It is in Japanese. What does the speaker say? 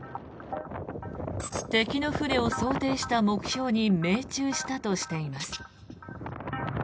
敵の船を想定した目標に命中したとしています。